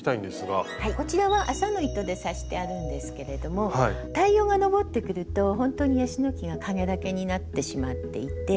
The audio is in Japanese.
こちらは麻の糸で刺してあるんですけれども太陽が昇ってくるとほんとにヤシの木が影だけになってしまっていて。